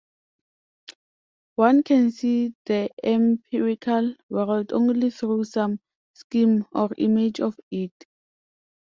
One can see the empirical world only through some scheme or image of it.